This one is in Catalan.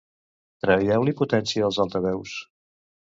Treu-li potència als altaveus.